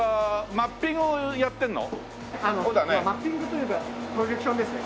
マッピングというかプロジェクションですね。